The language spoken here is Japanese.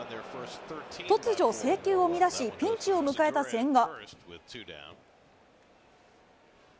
突如、制球を乱しピンチを迎えた千賀。